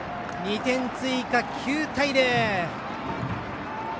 ２点追加、９対０！